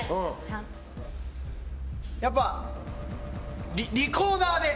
やっぱり、リコーダーで。